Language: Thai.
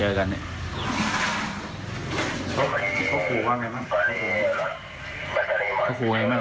เขาคูว่าไงบ้างเขาคูว่าไงบ้าง